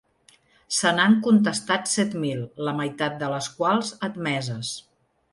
Se n’han contestat set mil, la meitat de les quals admeses.